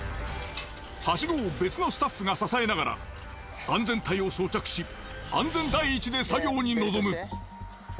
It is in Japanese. ハシゴを別のスタッフが支えながら安全帯を装着し安全第一で作業に臨む。